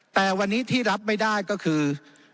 แต่วันนี้ที่รับไม่ได้ก็คือ